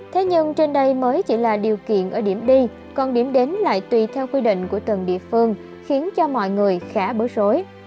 thế nhưng trên đây mới chỉ là điều kiện ở điểm đi còn điểm đến lại tùy theo quy định của từng địa phương khiến cho mọi người khá bức xối